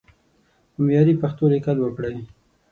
په معياري پښتو ليکل وکړئ!